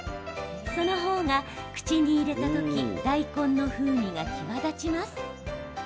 その方が、口に入れた時大根の風味が際立ちます。